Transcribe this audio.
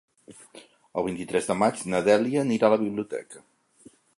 El vint-i-tres de maig na Dèlia anirà a la biblioteca.